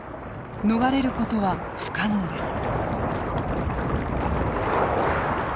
逃れることは不可能です。